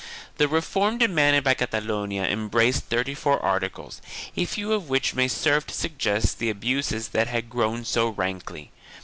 The reform demanded by Catalonia embraced thirty four articles, a few of which may serve to suggest the abuses that had grown so rankly.